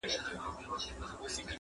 د شمعي جنازې ته پروانې دي چي راځي-